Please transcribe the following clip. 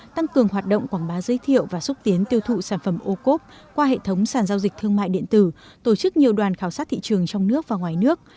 tăng cường hoạt động quảng bá giới thiệu và xúc tiến tiêu thụ sản phẩm ô cốp qua hệ thống sản giao dịch thương mại điện tử tổ chức nhiều đoàn khảo sát thị trường trong nước và ngoài nước